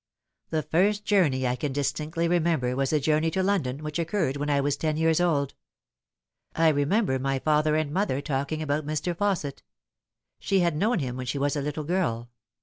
The first journey I can distinctly remember was a journey to London, which occurred when I was ten years old. I remember my father and mother talking about Mr. Fausset. She had known him when she was a little girl.